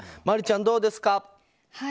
真里ちゃん、どうですか？